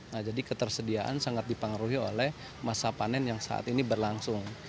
nah jadi ketersediaan sangat dipengaruhi oleh masa panen yang saat ini berlangsung